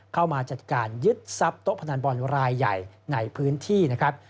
เข้ามาจัดการยึดทรัพย์โต๊ะพนันบอลรายใหญ่ในพื้นที่นะครับ